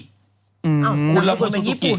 อ้าวมันคือเป็นญี่ปุ่นนะ